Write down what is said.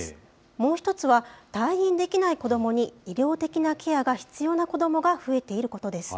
もう１つは、退院できない子どもに医療的なケアが必要な子どもが増えていることです。